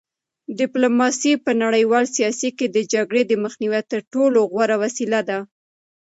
ډیپلوماسي په نړیوال سیاست کې د جګړې د مخنیوي تر ټولو غوره وسیله ده.